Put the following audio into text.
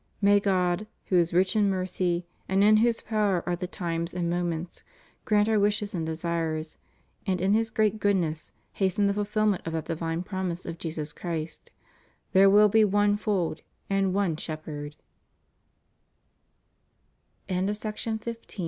May God, who is rich in mercy, and in whose power are the times and moments, grant Our wishes and desires, and in His great goodness, hasten the fulfilment of that divine promise of Jesus Christ: There will be one Fold and one S